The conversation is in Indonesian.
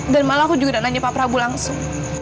dan malah aku juga gak nanya pak prabu langsung